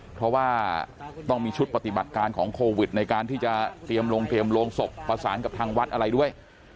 เพราะว่าต้องมีชุดปฏิบัติการของโควิดในการที่จะเตรียมลงเตรียมโรงศพประสานกับทางวัดอะไรด้วย